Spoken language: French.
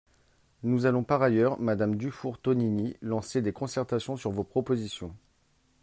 Nous allons par ailleurs, madame Dufour-Tonini, lancer des concertations sur vos propositions.